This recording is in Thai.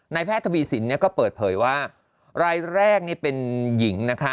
แพทย์ทวีสินก็เปิดเผยว่ารายแรกนี่เป็นหญิงนะคะ